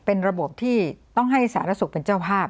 เป็นระบบที่ต้องให้สารสุขเป็นเจ้าภาพ